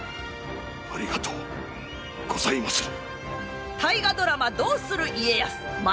ありがとうございまする！